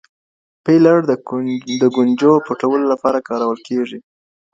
فیلر د ګونجو د پټولو لپاره کارول کېږي.